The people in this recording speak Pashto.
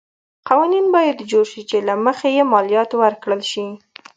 قوانین باید جوړ شي چې له مخې یې مالیات ورکړل شي.